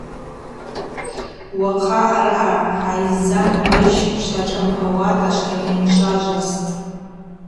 Уахъа араъа хӏайззан гӏвыджь швашӏампауата швгьамайчважвастӏ.